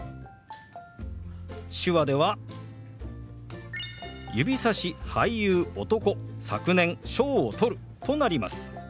手話では「指さし俳優男昨年賞を取る」となります。